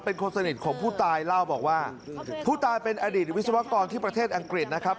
เป็นคนสนิทของผู้ตายเล่าบอกว่าผู้ตายเป็นอดีตวิศวกรที่ประเทศอังกฤษนะครับ